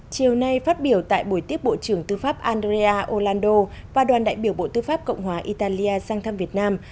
chiều nay phát biểu tại buổi tiếp bộ trưởng tư pháp andrea olanddo và đoàn đại biểu bộ tư pháp cộng hòa italia sang thăm việt nam